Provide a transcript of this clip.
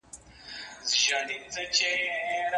خیال دي راځي خو لکه خوب غوندي په شپه تېرېږي